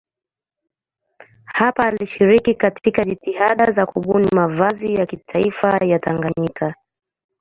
Hapa alishiriki katika jitihada za kubuni mavazi ya kitaifa ya Tanganyika.